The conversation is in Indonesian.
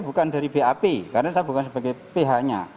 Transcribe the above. bukan dari bap karena saya bukan sebagai pihaknya